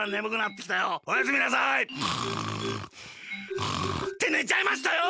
ってねちゃいましたよ！